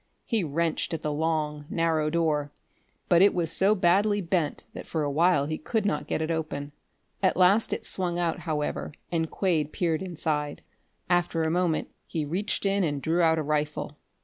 He wrenched at the long, narrow door, but it was so badly bent that for a while he could not get it open. At last it swung out, however, and Quade peered inside. After a moment he reached in and drew out a rifle.